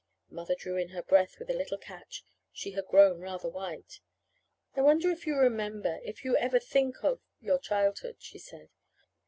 Mother drew her breath in with a little catch. She had grown rather white. "I wonder if you remember if you ever think of your childhood," she said.